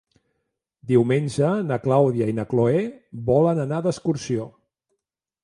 Diumenge na Clàudia i na Cloè volen anar d'excursió.